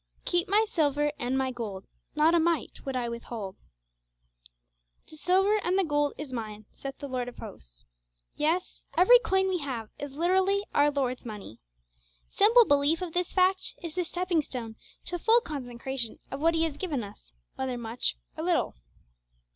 'Keep my silver and my gold; Not a mite would I withhold.' 'The silver and the gold is Mine, saith the Lord of Hosts.' Yes, every coin we have is literally our 'Lord's money.' Simple belief of this fact is the stepping stone to full consecration of what He has given us, whether much or little.